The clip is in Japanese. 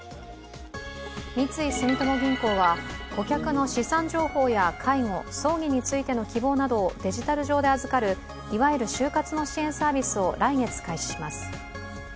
三井住友銀行は顧客の資産情報や介護、葬儀についての希望などをデジタル上で預かるいわゆる終活の支援サービスを来月開始します。